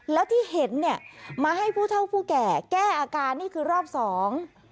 แล้วที่เห็นเนี่ยมาให้ผู้เท่าผู้แก่แก้อาการนี่คือรอบสอง